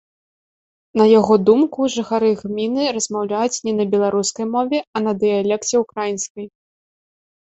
На яго думку, жыхары гміны размаўляюць не на беларускай мове, а на дыялекце ўкраінскай.